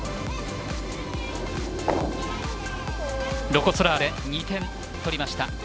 ロコ・ソラーレ、２点取りました。